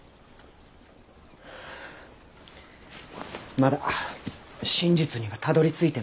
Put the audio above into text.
まだ真実にはたどりついてない。